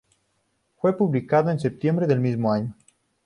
Fue publicado en septiembre del mismo año.